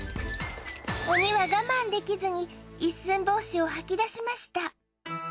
鬼は我慢できずに一寸法師を吐き出しました。